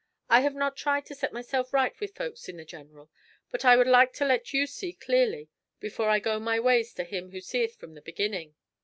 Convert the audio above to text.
I have not tried to set myself right with folks in the general, but I would like to let you see clearly before I go my ways to Him who seeth from the beginning.'